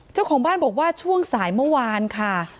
เจ้าของบ้านบอกว่าช่วงสายเมื่อวานค่ะ